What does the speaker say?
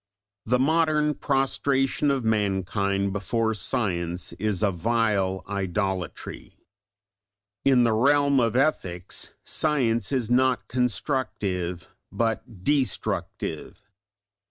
The modern prostration of mankind before science is a vile idolatry. In the realm of ethics science is not constructive but destructive.